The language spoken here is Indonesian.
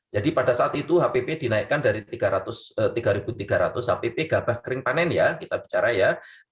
jadi pada saat itu hpp dinaikkan dari tiga tiga ratus hpp gabah kering panen ya kita bicara ya